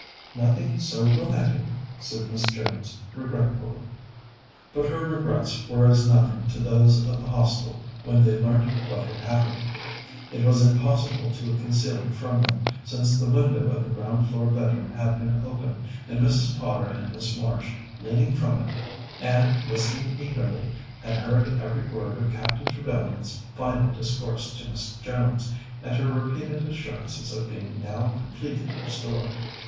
"Nothing so romantic," said Miss Jones regretfully. But her regrets were as nothing to those of the Hostel when they learnt what had happened. It was impossible to conceal it from them, since the window of the ground floor bedroom had been open, and Mrs. Potter and Miss Marsh, leaning from it, and listening eagerly, had heard every word of Captain Trevellyan's final discourse to Miss Jones, and her repeated assurances of being now completely restored.